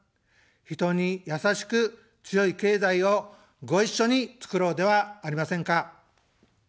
人に「やさしく強い経済」をご一緒につくろうではありませんか。